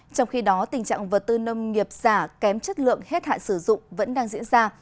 trong khi đó tình trạng vật tư nông nghiệp giả kém chất lượng hết hạn sử dụng vẫn đang diễn ra